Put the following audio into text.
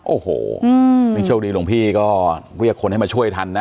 โอ้โหนี่โชคดีหลวงพี่ก็เรียกคนให้มาช่วยทันนะ